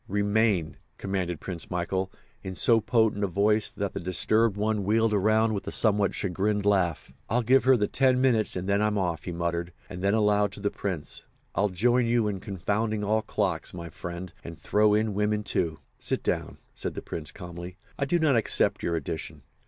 "Remain!" commanded Prince Michael, in so potent a voice that the disturbed one wheeled around with a somewhat chagrined laugh. "I'll give her the ten minutes and then I'm off," he muttered, and then aloud to the Prince: "I'll join you in confounding all clocks, my friend, and throw in women, too." "Sit down," said the Prince calmly. "I do not accept your addition.